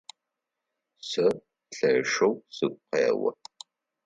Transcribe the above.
Сэ лъэшэу сыгу къео.